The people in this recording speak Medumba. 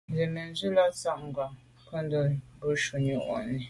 Jə̂ mə̀ndzwí lá zǎ tɛ̌n kghwâ’ ncùndá bâ shúnɔ̀m mwà’nì.